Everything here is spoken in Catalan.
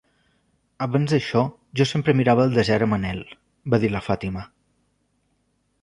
"Abans d'això, jo sempre mirava al desert amb anhel", va dir la Fàtima.